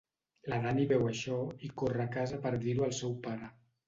La Dani veu això i corre a casa per dir-ho al seu pare.